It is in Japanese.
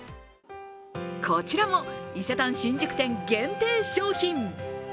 こちらも伊勢丹新宿店限定商品。